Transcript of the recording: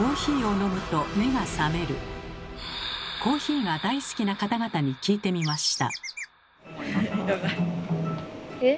コーヒーが大好きな方々に聞いてみました。